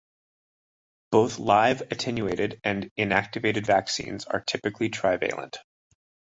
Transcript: Both live attenuated and inactivated vaccines are typically trivalent.